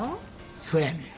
そやねん。